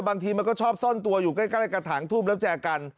บางทีมันก็ชอบซ่อนตัวอยู่ใกล้กระถางทูบแล้วแจกัน